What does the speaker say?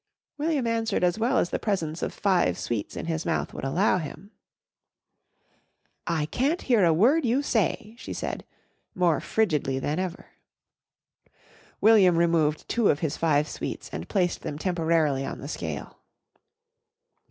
William answered as well as the presence of five sweets in his mouth would allow him. "I can't hear a word you say," she said more frigidly than ever. William removed two of his five sweets and placed them temporarily on the scale.